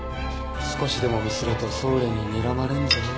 少しでもミスると太陽ににらまれんぞ。